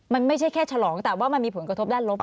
มันไม่ใช่แค่ฉลองแต่ว่ามันมีผลกระทบด้านลบ